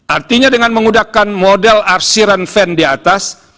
artinya dengan menggunakan model arsiran van di atas